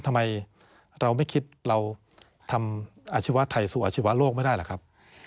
ทำไมเราไม่คิดเราทำอาชีวะไทยสู่อาชีวะโลกไม่ได้ล่ะครับ